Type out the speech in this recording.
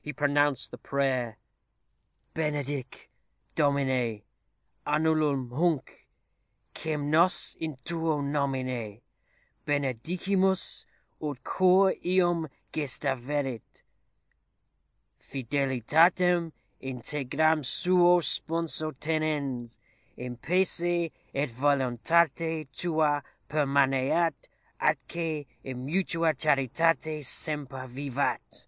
He pronounced the prayer: "_Benedic, Domine, annulum hunc, quem nos in tuo nomine benedicimus, ut quæ eum gestaverit, fidelitatem integram suo sponso tenens, in pace et voluntate tua permaneat atque in mutua charitate semper vivat.